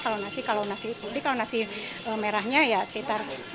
kalau nasi putih kalau nasi merahnya ya sekitar dua puluh lima kg